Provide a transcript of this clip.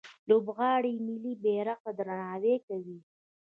لوبغاړي ملي بیرغ ته درناوی کوي.